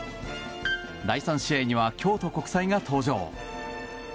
第３試合には京都国際が登場。